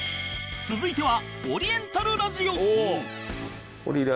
続いては